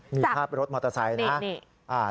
มีภาพรถมอเตอร์ไซส์นะ